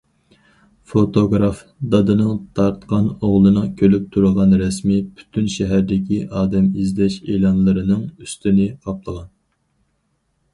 فوتوگراف دادىنىڭ تارتقان ئوغلىنىڭ كۈلۈپ تۇرغان رەسىمى پۈتۈن شەھەردىكى ئادەم ئىزدەش ئېلانلىرىنىڭ ئۈستىنى قاپلىغان.